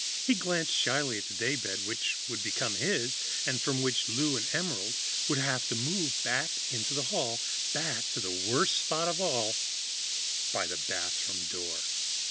He glanced shyly at the daybed, which would become his, and from which Lou and Emerald would have to move back into the hall, back to the worst spot of all by the bathroom door.